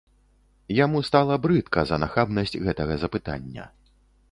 Яму стала брыдка за нахабнасць гэтага запытання.